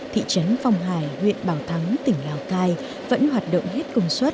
thị trấn phong hải huyện bảo thắng tỉnh lào cai vẫn hoạt động hết công suất